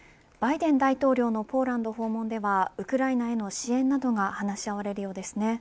バイデン大統領のポーランド訪問ではウクライナへの支援などが話し合われるようですね。